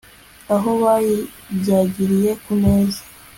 Aho bayibyagiriye ku meza